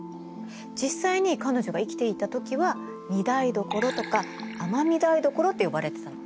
実際に彼女が生きていた時は御台所とか尼御台所って呼ばれてたの。